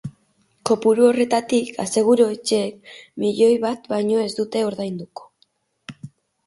Kopuru horretatik, aseguru-etxeek milioi bat baino ez dute ordainduko.